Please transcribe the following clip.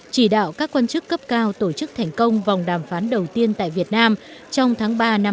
chỉ đạo các quan chức cấp cao tổ chức thành công vòng đàm phán đầu tiên tại việt nam trong tháng ba năm hai nghìn hai mươi